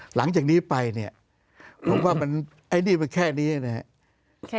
หลังจากนี้ไปเนี่ยผมว่ามันไอ้นี่มันแค่นี้นะครับ